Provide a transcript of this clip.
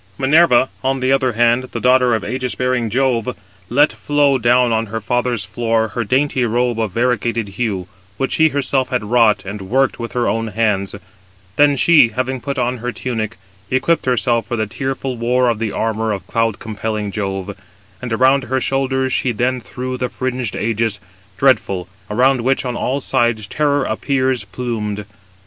Minerva, on the other hand, the daughter of ægis bearing Jove, let flow down on her father's floor her dainty robe of variegated hue, which she herself had wrought and worked with her own hands: then she, having put on her tunic, equipped herself for the tearful war in the armour of cloud compelling Jove, and around her shoulders she then threw the fringed ægis, dreadful, around which on all sides Terror appears plumed.